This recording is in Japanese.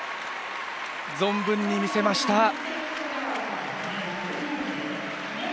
存分に見せました。